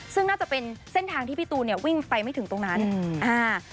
ซึ่งน่าจะเป็นเส้นทางที่พี่ตูนเนี่ยวิ่งไปไม่ถึงตรงนั้นอืมอ่า